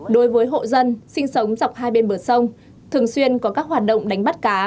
đối với hộ dân sinh sống dọc hai bên bờ sông thường xuyên có các hoạt động đánh bắt cá